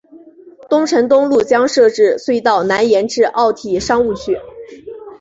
北辰东路将设置隧道南延至奥体商务区。